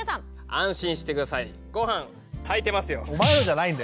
安心して下さいご飯炊いてますよ。